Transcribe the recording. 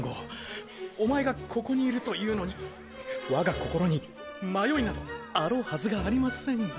おまえがここにいるというのに我が心に迷いなどあろうはずがありません！